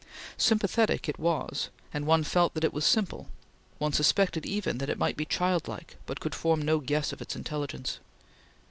Sympathetic it was, and one felt that it was simple; one suspected even that it might be childlike, but could form no guess of its intelligence.